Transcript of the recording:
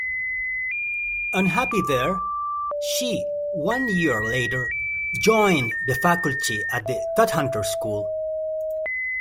Unhappy there, she one year later joined the faculty at the Todhunter school.